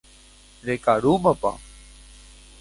rekarúmapa